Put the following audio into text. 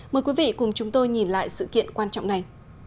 mời quý vị cùng chúng tôi nhìn lại sự kiện quan trọng này